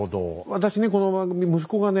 私ねこの番組息子がね